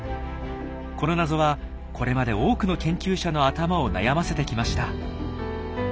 この謎はこれまで多くの研究者の頭を悩ませてきました。